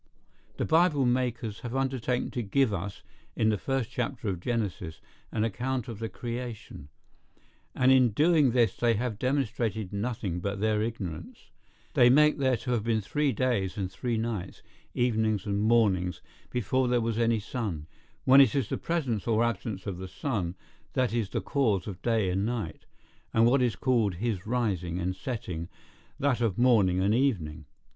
[The Bible makers have undertaken to give us, in the first chapter of Genesis, an account of the creation; and in doing this they have demonstrated nothing but their ignorance. They make there to have been three days and three nights, evenings and mornings, before there was any sun; when it is the presence or absence of the sun that is the cause of day and night—and what is called his rising and setting that of morning and evening.